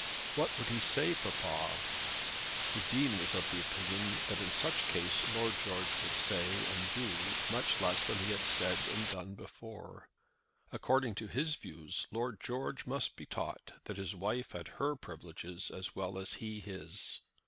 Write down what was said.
"What would he say, papa?" The Dean was of opinion that in such case Lord George would say and do much less than he had said and done before. According to his views, Lord George must be taught that his wife had her privileges as well as he his.